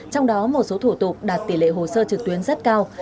trong đó một số thủ tục đạt tỷ lệ hồ sơ trực tuyến rất cao